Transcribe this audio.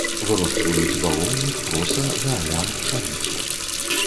Вырошчваюць бавоўнік, проса, гаалян, пшаніцу.